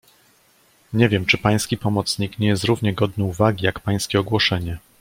"Nie wiem, czy pański pomocnik nie jest równie godny uwagi jak pańskie ogłoszenie."